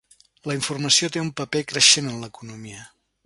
La informació té un paper creixent en l'economia.